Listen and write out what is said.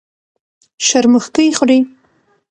شرموښکۍ خوري.